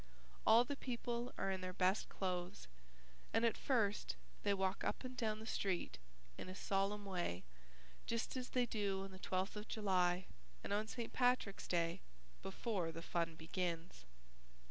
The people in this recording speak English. All the people are in their best clothes and at first they walk up and down the street in a solemn way just as they do on the twelfth of July and on St. Patrick's Day, before the fun begins.